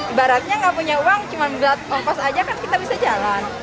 ibaratnya gak punya uang cuma belat kompos aja kan kita bisa jalan